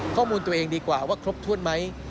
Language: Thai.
ข้อมูลตัวเองดีกว่าว่าครบถ้วนไหม